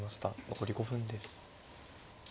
残り５分です。